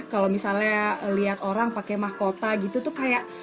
kalo misalnya liat orang pake mahkota gitu tuh kayak